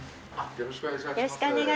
よろしくお願いします。